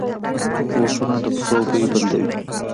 بوټونه د پښو بوی بندوي.